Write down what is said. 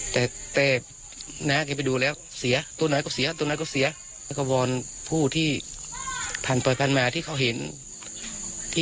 แท้บุกในหุ่นร้อยด้วยกันนะครับ